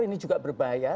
ini juga berbayar